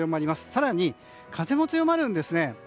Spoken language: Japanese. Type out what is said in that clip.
更に、風も強まるんですね。